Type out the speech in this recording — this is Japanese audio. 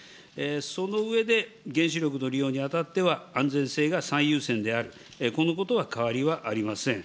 その上で原子力の利用にあたっては安全性が最優先である、このことは変わりはありません。